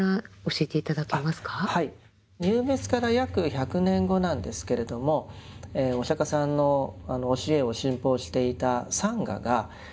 入滅から約１００年後なんですけれどもお釈迦さんの教えを信奉していたサンガが２つに分かれます。